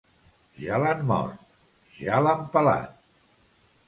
Ja l'han mort, ja l'han pelat.